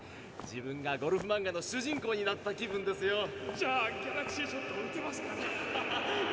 自分がゴルフマンガの主人公になった気分ですよ。